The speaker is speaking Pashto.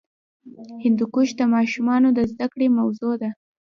هندوکش د ماشومانو د زده کړې موضوع ده.